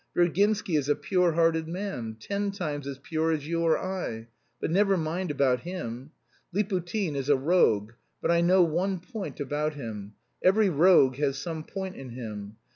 Virginsky is a pure hearted man, ten times as pure as you or I; but never mind about him. Liputin is a rogue, but I know one point about him. Every rogue has some point in him....